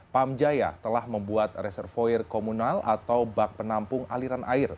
pamjaya telah membuat reservoir komunal atau bak penampung aliran air